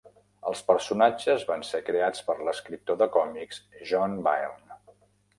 Els personatges van ser creats per l'escriptor de còmics John Byrne.